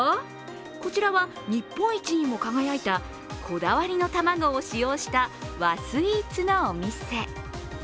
こちらは、日本一にも輝いたこだわりの卵を使用した和スイーツのお店。